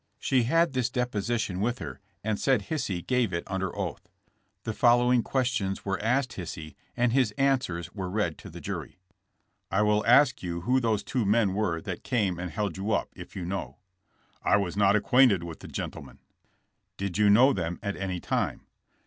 She had this deposition with her and said Hisey gave it under oath. The following questions asked Hisey and his answers were read to the jury: * 'I will ask you who those two men were that oame and held you up, if you know ?'' I was not acquainted with the gentlemen." Did you know them at any time?"